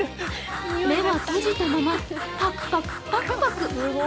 目は閉じたまま、パクパク、パクパク。